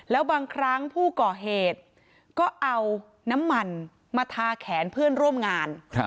แล้วบางครั้งผู้ก่อเหตุก็เอาน้ำมันมาทาแขนเพื่อนร่วมงาน